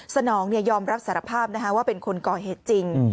สนองยอมรับสารภาพว่าเป็นคนก่อเหตุจริง